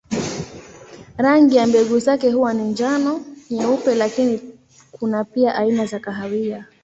Rangi ya mbegu zake huwa ni njano, nyeupe lakini kuna pia aina za kahawia.